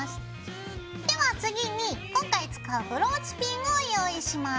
では次に今回使うブローチピンを用意します。